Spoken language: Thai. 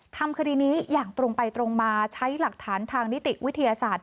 ทำคดีนี้อย่างตรงไปตรงมาใช้หลักฐานทางนิติวิทยาศาสตร์